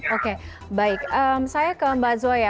oke baik saya ke mbak zoya